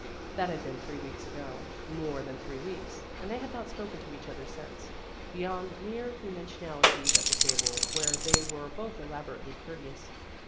That had been three weeks ago more than three weeks, and they had not spoken to each other since, beyond mere conven tionalities at the table where they were both elaborately courteous.